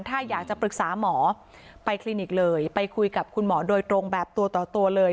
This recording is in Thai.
ถ้าอยากจะปรึกษาหมอไปคลินิกเลยไปคุยกับคุณหมอโดยตรงแบบตัวต่อตัวเลย